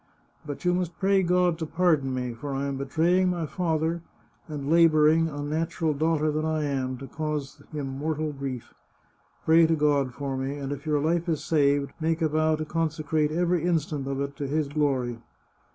But you must pray God to pardon me, for I am betraying my father, and labour ing, unnatural daughter that I am, to cause him mortal grief. Pray to God for me, and if your life is saved, make a vow to consecrate every instant of it to his glory.